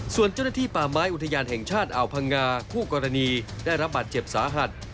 ส่วนเจ้าหน้าที่ป่าไม้อุทยานแห่งชาติอ่าวพังงาคู่กรณีได้รับบาดเจ็บสาหัส